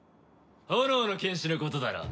炎の剣士のことだろ。